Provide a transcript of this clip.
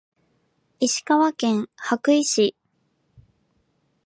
石川県羽咋市